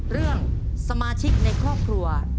เรื่องสมาชิกในครอบครัว